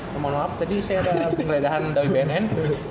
mohon maaf tadi saya ada pengledahan dawi bnn